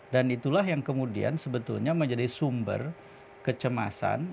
dan itulah yang kemudian sebetulnya menjadi sumber kecemasan